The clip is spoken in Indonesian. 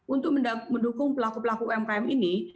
untuk mendukung pelaku pelaku umkm ini